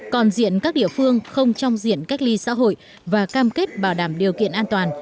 còn diện các địa phương không trong diện cách ly xã hội và cam kết bảo đảm điều kiện an toàn